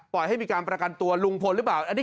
ปล่อยให้มีการประกันตัวลุงพลหรือเปล่าอันนี้คือ